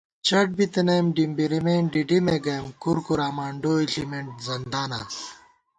چٹ بِتَنَئیم ڈِمبِرِمېن ڈِڈِمےگَئیم کُرکُرا مانڈوئے ݪِمېن زنداناں